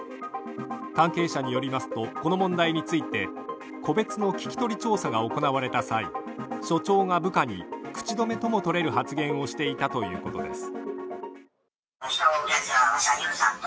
関係者によりますとこの問題について個別の聞き取り調査が行われた際署長が部下に口止めともとれる発言をしていたということです。